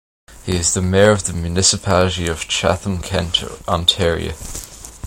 He is the mayor of the Municipality of Chatham-Kent, Ontario.